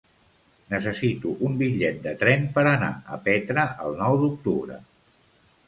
Necessito un bitllet de tren per anar a Petra el nou d'octubre.